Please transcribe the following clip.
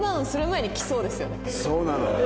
そうなの。